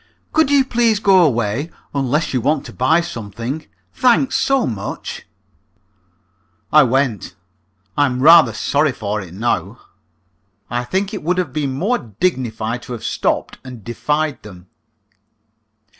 "Could you, please, go away, unless you want to buy something? Thanks, so much!" [Illustration: "Could you, please, go away?"] I went. I am rather sorry for it now. I think it would have been more dignified to have stopped and defied them.